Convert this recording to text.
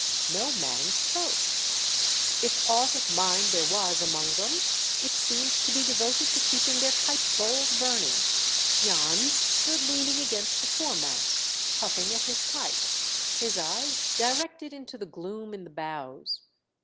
No man spoke. If aught of mind there was among them, it seemed to be devoted to keeping their pipe bowls burning. Jans stood leaning against the foremast, puff ing at his pipe, his eyes directed into the gloom in the bows.